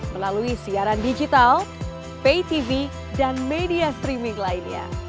melalui siaran digital pay tv dan media streaming lainnya